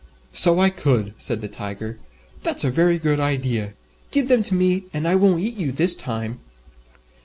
"So I could," said the Tiger, "that's a very good idea. Give them to me, and I won't eat you this time."